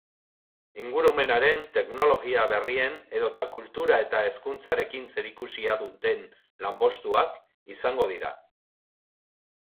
Ingurumenaren, teknologia berrien edota kultura eta hezkuntzarekin zerikusia duten lanpostuak izango dira.